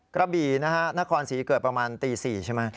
กระบี่นะฮะน่าความสีเกิดประมาณตีสี่ใช่ไหม